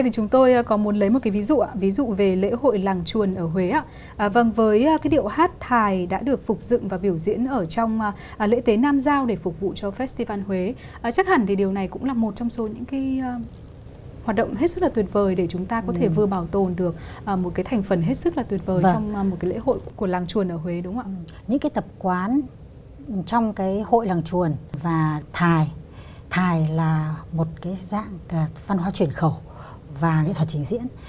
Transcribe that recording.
thài là một cái dạng văn hóa chuyển khẩu và nghệ thuật trình diễn